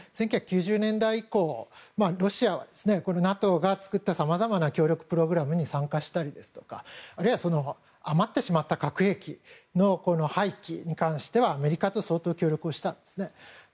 １９９０年代以降、ロシアはＮＡＴＯが作ったさまざまな協力プログラムに参加したりですとかあるいは余ってしまった核兵器の廃棄に関してはアメリカと相当協力をしたんです。